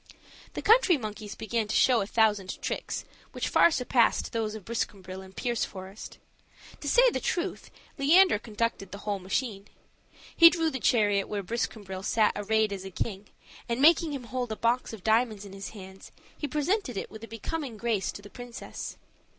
The country monkeys began to show a thousand tricks, which far surpassed those of Briscambril and Pierceforest. To say the truth, Leander conducted the whole machine. He drew the chariot where Briscambril sat arrayed as a king, and making him hold a box of diamonds in his hand, he presented it with a becoming grace to the princess.